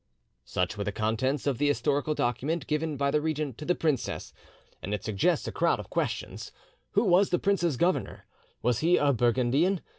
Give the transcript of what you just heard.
'" Such were the contents of the historical document given by the regent to the princess, and it suggests a crowd of questions. Who was the prince's governor? Was he a Burgundian?